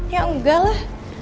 ya enggak lah